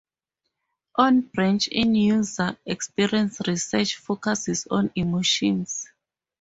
One branch in user experience research focuses on emotions.